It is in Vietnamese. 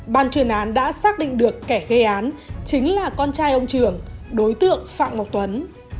ban chuyên án đã xác định được kẻ gây án chính là con trai ông trường đối tượng phạm ngọc tuấn